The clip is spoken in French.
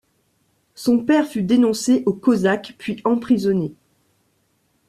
Son père fut dénoncé aux cosaques puis emprisonné.